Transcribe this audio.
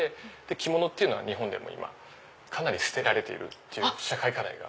着物っていうのは日本では今かなり捨てられてるっていう社会課題が。